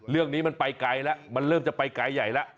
เรื่องนี้มันไปไกลแล้วมันเริ่มจะไปไกลใหญ่แล้ว